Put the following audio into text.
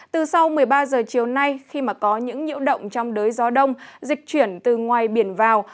từ sau một mươi ba giờ chiều nay khi mà có những nhiễu động trong đới gió đông dịch chuyển từ ngoài biển vào